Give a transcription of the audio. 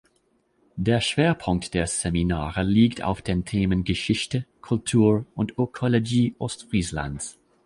Der Schwerpunkt der Seminare liegt auf den Themen Geschichte, Kultur und Ökologie Ostfrieslands.